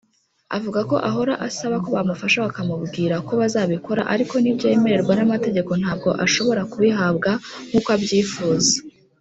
Avuga ko ahora asaba ko bamufasha bakamubwira ko bazabikora ariko nibyo yemererwa n’amategeko ntabwo ashobora kubihabwa nkuko abyifuza.